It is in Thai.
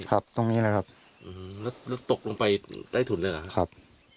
ครับตรงนี้แหละครับแล้วตกลงไปใต้ถุนเลยเหรอครับ